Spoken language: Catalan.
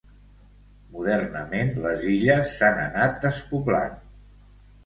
Modernament les illes s'han anat despoblant.